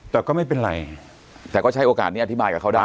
แต่ก็ไม่เป็นไรแต่ก็ใช้โอกาสนี้อธิบายกับเขาได้